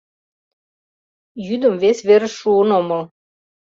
Йӱдым вес верыш шуын омыл.